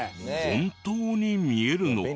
本当に見えるのか？